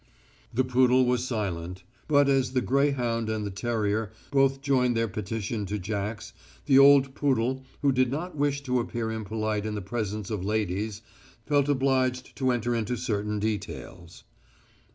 The poodle was silent. But as the greyhound and the terrier both joined their petition to Jack's, the old poodle, who did not wish to appear impolite in the presence of ladies, felt obliged to enter into certain details.